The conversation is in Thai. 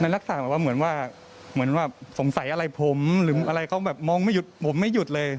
ลักษณะแบบว่าเหมือนว่าเหมือนแบบสงสัยอะไรผมหรืออะไรเขาแบบมองไม่หยุดผมไม่หยุดเลย